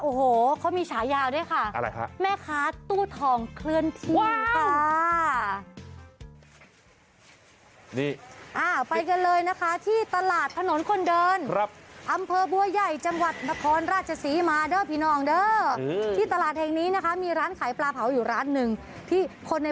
โอ้โหเค้ามีฉ่ายาเลยค่ะอะไรครับแม่ค้าตู้ทองเพื่อนได้